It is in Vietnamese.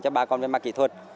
cho ba công viên mạng kỹ thuật